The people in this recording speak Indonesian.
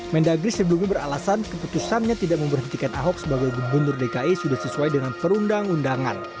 mendagri sebelumnya beralasan keputusannya tidak memberhentikan ahok sebagai gubernur dki sudah sesuai dengan perundang undangan